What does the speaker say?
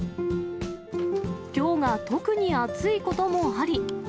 きょうが特に暑いこともあり。